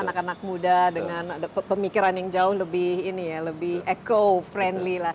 anak anak muda dengan pemikiran yang jauh lebih eco friendly